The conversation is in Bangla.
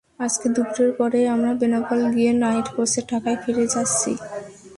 আজকে দুপুরের পরেই আমরা বেনাপোল গিয়ে নাইট কোচে ঢাকায় ফিরে যাচ্ছি।